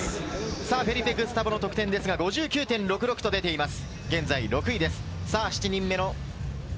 フェリペ・グスタボの得点ですが５９．６６と出ています。